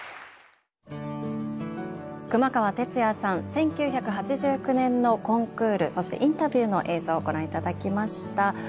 １９８９年のコンクールそしてインタビューの映像をご覧頂きました。